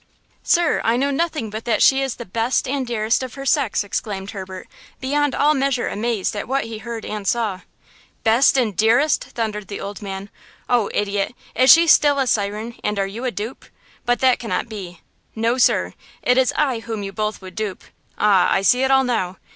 "Sir, I know nothing but that she is the best and dearest of her sex!" exclaimed Herbert, beyond all measure amazed at what he heard and saw. "Best and dearest!" thundered the old man. "Oh, idiot; is she still a siren, and are you a dupe? But that cannot be! No, sir! it is I whom you both would dupe! Ah, I see it all now!